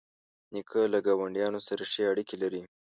نیکه له ګاونډیانو سره ښې اړیکې لري.